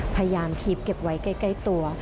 พยายามคีบเก็บไว้ใกล้ตัว